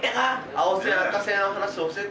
青線赤線の話教えて。